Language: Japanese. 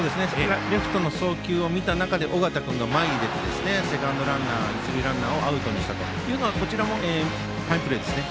レフトの送球を見た中で尾形君が前に出てセカンドランナー一塁ランナーをアウトにしたのはこちらもファインプレーですね。